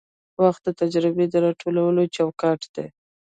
وخت د تجربې د راټولولو چوکاټ دی.